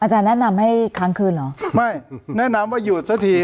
อาจารย์แนะนำให้ครั้งคืนเหรอไม่แนะนำว่าหยุดซะที